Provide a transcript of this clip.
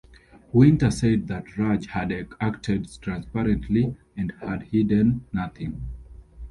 Winter said that Raj had acted transparently and had hidden nothing.